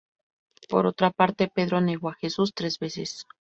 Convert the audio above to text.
Por otra parte, Pedro negó a Jesús tres veces.